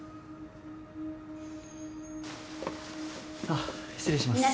あっ失礼します。